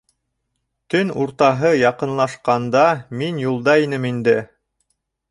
Төн уртаһы яҡынлашҡанда мин юлда инем инде.